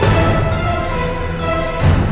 jangan lupa joko tingkir